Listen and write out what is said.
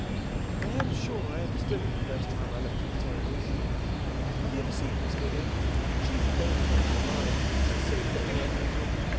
I am sure I understood it the first time I looked at the tables. Have you ever seen Miss Vivian? She 's very much admired, she 's so very unusual.